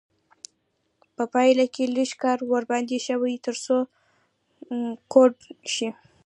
په پایله کې لږ کار ورباندې شوی تر څو کوټ شي.